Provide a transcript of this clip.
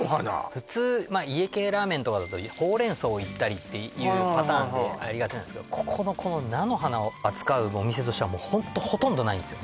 普通家系ラーメンとかだとほうれん草をいったりっていうパターンってありがちなんですけどここのこの菜の花を扱うお店としてはホントほとんどないんですよ